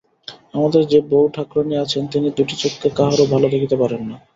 আমাদের যে বউ-ঠাকরুনটি আছেন, তিনি দুটি চক্ষে কাহারো ভালো দেখিতে পারেন না।